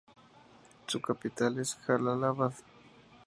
Su capital es Jalalabad.